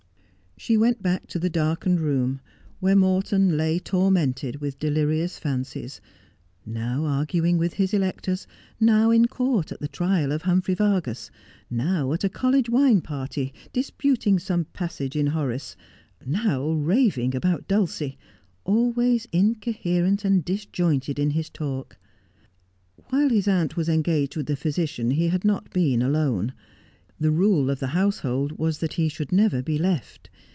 She went back to the darkened room where Morton lay 190 Just as 1 Am. tormented with delirious fancies : now arguing with his electors ; now in court at the trial of Humphrey Vargas ; now at a col lege wine party, disputing about some passage in Horace ; now raving about Dulcie ; always incoherent and disjointed in his talk. While his aunt was engaged with the physician he had not been alone. The rule of the household was that he should never be left.